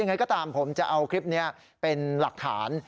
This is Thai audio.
ยังไงก็ตามผมจะเอาคลิปนี้เป็นหลักฐาน